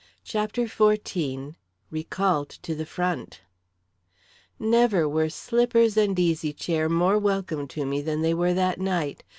CHAPTER XIV Recalled to the Front Never were slippers and easy chair more welcome to me than they were that night.